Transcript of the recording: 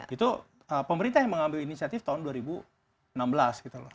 itu pemerintah yang mengambil inisiatif tahun dua ribu enam belas gitu loh